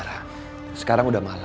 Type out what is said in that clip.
nih tapi bagaimana